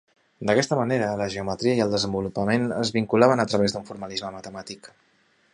D'aquesta manera, la geometria i el desenvolupament es vinculaven a través d'un formalisme matemàtic.